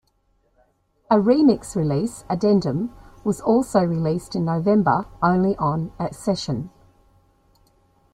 A remix release, "Addendum", was also released in November only on Accession.